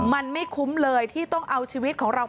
มันไม่คุ้มเลยที่ต้องเอาชีวิตของเรา